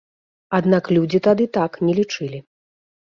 Аднак людзі тады так не лічылі.